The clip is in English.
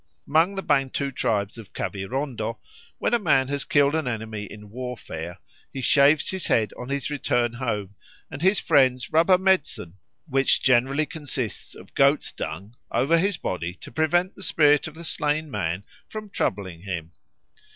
Among the Bantu tribes of Kavirondo, when a man has killed an enemy in warfare he shaves his head on his return home, and his friends rub a medicine, which generally consists of goat's dung, over his body to prevent the spirit of the slain man from troubling him.